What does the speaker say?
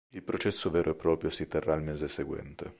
Il processo vero e proprio si terrà il mese seguente.